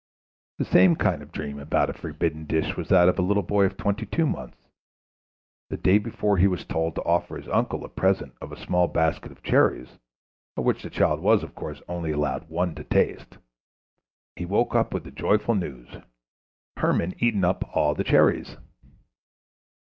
The same kind of dream about a forbidden dish was that of a little boy of twenty two months. The day before he was told to offer his uncle a present of a small basket of cherries, of which the child was, of course, only allowed one to taste. He woke up with the joyful news: "Hermann eaten up all the cherries."